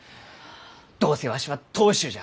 どうせわしは当主じゃ！